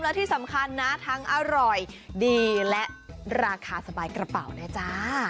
และที่สำคัญนะทั้งอร่อยดีและราคาสบายกระเป๋านะจ๊ะ